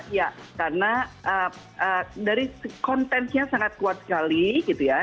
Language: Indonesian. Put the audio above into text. iya karena dari kontennya sangat kuat sekali gitu ya